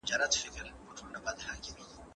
شعر د ښکلا او مفهوم ګډونه ده.